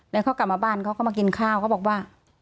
แล้วเขากลับมาบ้านเขาก็มากินข้าวเขาบอกว่า